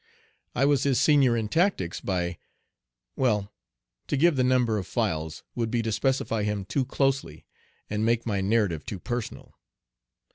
I was his senior in tactics by well, to give the number of files would be to specify him too closely and make my narrative too personal.